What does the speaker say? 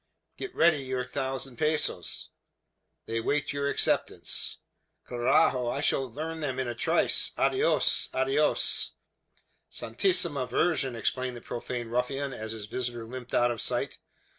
"Get ready your thousand pesos." "They wait your acceptance." "Carajo! I shall earn them in a trice. Adios! Adios!" "Santissima Virgen!" exclaimed the profane ruffian, as his visitor limped out of sight.